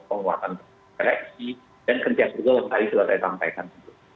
penguatan reaksi dan kerjaan juga selesai sudah saya sampaikan